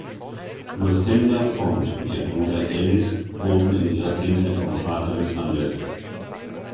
Lucinda Pond und ihr Bruder Ellis wurden in ihrer Kindheit vom Vater misshandelt.